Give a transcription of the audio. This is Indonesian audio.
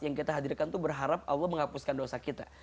yang kita hadirkan itu berharap allah menghapuskan dosa kita